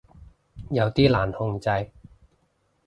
有啲難控制